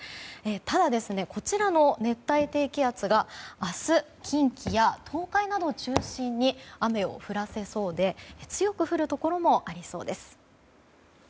ただ、こちらの熱帯低気圧が明日、近畿や東海などを中心に雨を降らせそうで強く降るところもありそうです。